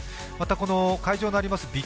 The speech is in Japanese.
またこの会場のあります